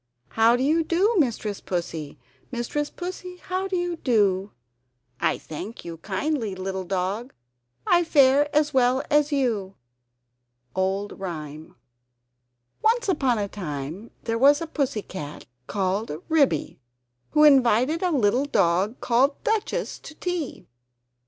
How do you do Mistress Pussy? Mistress Pussy, how do you do?" "I thank you kindly, little dog, I fare as well as you!" [Old Rhyme] Once upon a time there was a Pussy cat called Ribby, who invited a little dog called Duchess to tea.